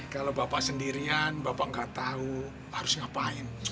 kalau bapak sendirian bapak gak tau harus ngapain